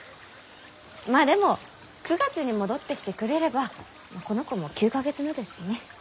まあでも９月に戻ってきてくれればこの子も９か月目ですしね。